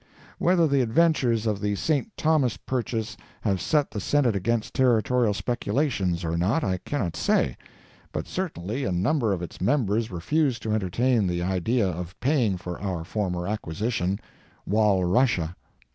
Whether the adventures of the St. Thomas purchase have set the Senate against territorial speculations or not, I cannot say, but certainly a number of its members refuse to entertain the idea of paying for our former acquisition—Walrussia.